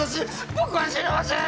僕は知りません！